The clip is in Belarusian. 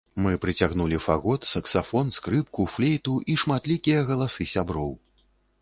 Мы прыцягнулі фагот, саксафон, скрыпку, флейту і шматлікія галасы сяброў.